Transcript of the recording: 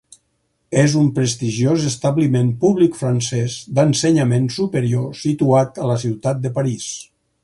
És un prestigiós establiment públic francès d'ensenyament superior situat a la ciutat de París.